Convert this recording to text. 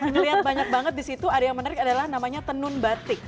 ngelihat banyak banget di situ ada yang menarik adalah namanya tenun batik